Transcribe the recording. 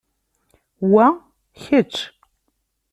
Wa, kečč!